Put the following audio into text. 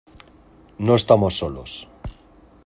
no estamos solos.